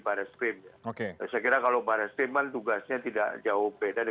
pro dan kontra atau